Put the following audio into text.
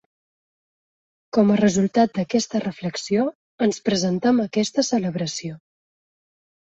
Com a resultat d’aquesta reflexió ens presentem a aquesta celebració.